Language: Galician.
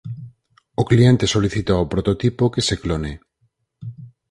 O cliente solicita ao prototipo que se clone.